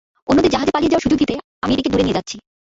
অন্যদের জাহাজে পালিয়ে যাওয়ার সুযোগ দিতে আমি এটিকে দূরে নিয়ে যাচ্ছি।